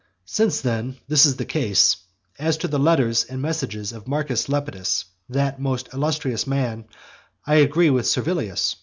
Since, then, this is the case, as to the letters and messages of Marcus Lepidus, that most illustrious man, I agree with Servilius.